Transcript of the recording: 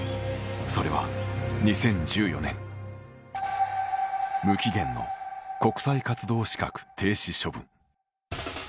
それは、２０１４年無期限の国際活動資格停止処分。